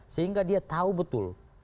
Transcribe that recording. sehingga dia tahu betul